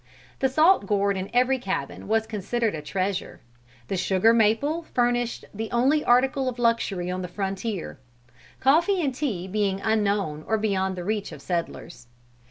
The salt gourd in every cabin was considered as a treasure. The sugar maple furnished the only article of luxury on the frontier; coffee and tea being unknown or beyond the reach of the settlers.